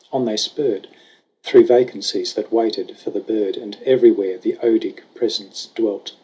On they spurred Through vacancies that waited for the bird, And everywhere the Odic Presence dwelt.